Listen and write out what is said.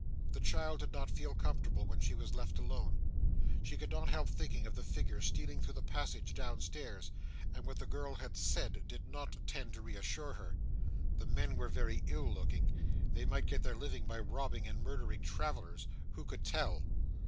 The child did not feel comfortable when she was left alone. She could not help thinking of the figure stealing through the passage down stairs; and what the girl had said did not tend to reassure her. The men were very ill looking. They might get their living by robbing and murdering travellers. Who could tell?